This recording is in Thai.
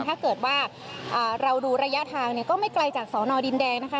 ถ้าเกิดว่าเราดูระยะทางเนี่ยก็ไม่ไกลจากสอนอดินแดงนะคะ